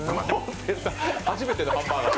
初めてのハンバーガー。